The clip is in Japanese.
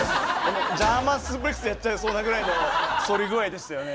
ジャーマンスープレックスやっちゃいそうなぐらいの反り具合でしたよね。